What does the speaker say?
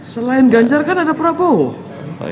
selain ganjar kan ada prabowo